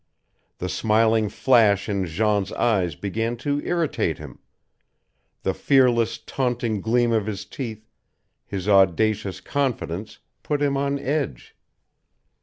The smiling flash in Jean's eyes began to irritate him; the fearless, taunting gleam of his teeth, his audacious confidence, put him on edge.